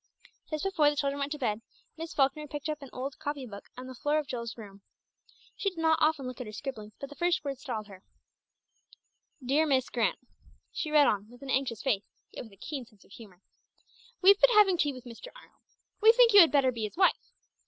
Just before the children went to bed, Miss Falkner picked up an old copy book an the floor of Jill's bedroom. She did not often look at her scribblings, but the first words startled her: "DEAR MISS GRANT," She read on, with an anxious face, yet with a keen sense of humour "We've been having tea with Mr. Arnold. We think you had better be his wife.